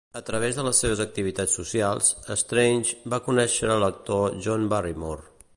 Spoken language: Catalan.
A través de les seves activitats socials, Strange va conèixer l"actor John Barrymore.